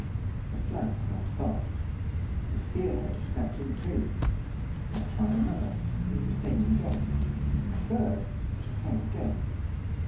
The flap held fast; the spear head snapped in two. I tried another, with the same result; a third, to fail again.